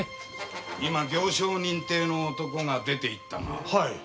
今行商人体の男が出て行ったが。